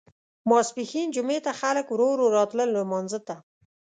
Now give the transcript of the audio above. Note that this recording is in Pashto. ماسپښین جمعې ته خلک ورو ورو راتلل لمانځه ته.